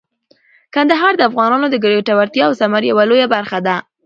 کندهار د افغانانو د ګټورتیا او ثمر یوه لویه برخه ده.